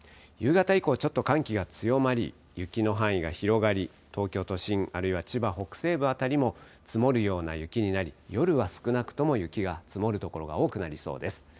夕方以降、ちょっと寒気が強まり雪の範囲が広がり東京都心、あるいは千葉北西部辺りも積もるような雪になり夜は少なくとも雪が積もるところが多くなりそうです。